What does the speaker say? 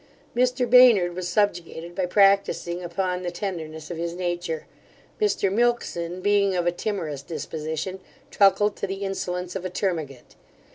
Mr Baynard was subjugated by practising upon the tenderness of his nature. Mr Milksan, being of a timorous disposition, truckled to the insolence of a termagant.